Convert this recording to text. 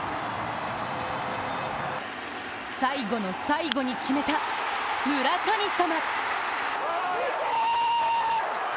最後の最後に決めた村神様。